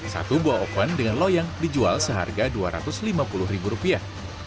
satu buah oven dengan loyang dijual seharga dua ratus lima puluh ribu rupiah